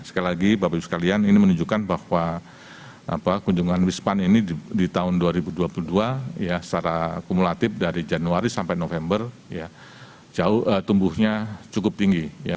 sekali lagi bapak ibu sekalian ini menunjukkan bahwa kunjungan wisman ini di tahun dua ribu dua puluh dua secara kumulatif dari januari sampai november tumbuhnya cukup tinggi